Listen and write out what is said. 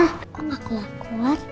aku gak kelakuan